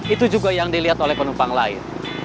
itu juga yang dilihat oleh penumpang lain